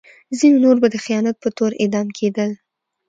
ځینې نور به د خیانت په تور اعدام کېدل.